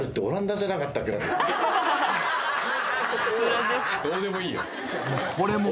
どうでもいいよ。